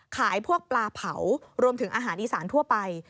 ขายพวกปลาเผารวมถึงอาหารอีสานทั่วไป